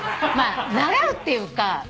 まあ習うっていうか。